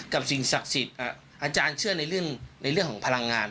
สิ่งศักดิ์สิทธิ์อาจารย์เชื่อในเรื่องของพลังงาน